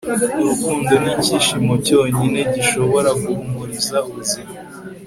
urukundo nicyishimo cyonyine gishobora guhumuriza ubuzima